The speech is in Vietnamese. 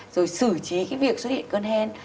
rồi sử trí cái việc xuất hiện cơn hen